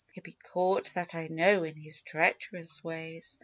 He'll be caught, that I know, in his treacherous ways.